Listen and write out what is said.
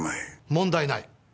問題ない。